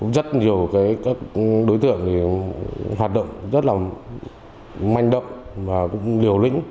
rất nhiều các đối tượng hoạt động rất là manh động và cũng liều lĩnh